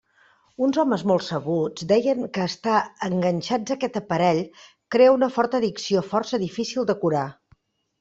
Uns homes molt sabuts deien que estar enganxats a aquest aparell crea una forta addicció força difícil de curar.